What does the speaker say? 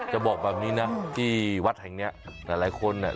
จะบอกแบบนี้นะที่วัดแห่งเนี้ยหลายคนอ่ะ